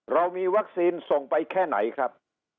เรามีวัคซีนส่งไปแค่ไหนครับ